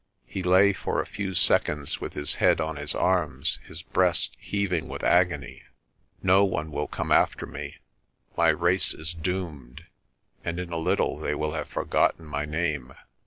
He lay for a few seconds with his head on his arms, his breast heaving with agony. "No one will come after me. My race is doomed and in a little they will have forgotten my name.